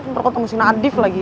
ntar gua temuin nadif lagi